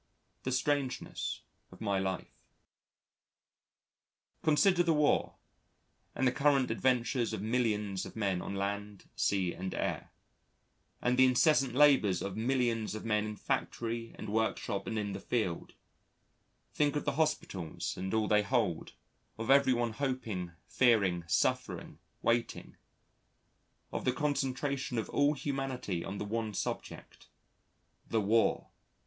The Strangeness of my Life Consider the War: and the current adventures of millions of men on land, sea and air; and the incessant labours of millions of men in factory and workshop and in the field; think of the hospitals and all they hold, of everyone hoping, fearing, suffering, waiting of the concentration of all humanity on the one subject the War.